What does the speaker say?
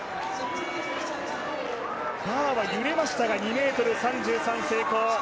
バーは揺れましたが２ｍ３３成功。